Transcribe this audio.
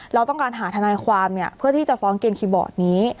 เราต้องการหาทนายความเพื่อที่จะฟ้องเกณฑีบอร์ดนี้